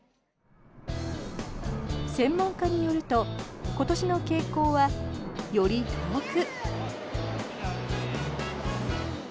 専門家によると今年の傾向は、より遠く。